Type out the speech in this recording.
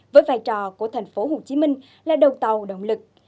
với vai trò của thành phố hồ chí minh là đầu tàu động lực